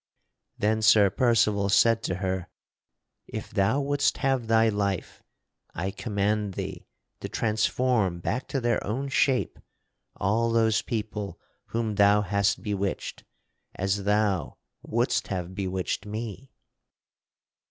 Then Sir Percival said to her: "If thou wouldst have thy life I command thee to transform back to their own shape all those people whom thou hast bewitched as thou wouldst have bewitched me."